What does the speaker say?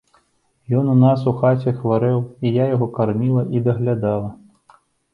Ён у нас у хаце хварэў, і я яго карміла і даглядала.